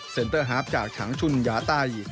เตอร์ฮาร์ฟจากฉังชุนยาไต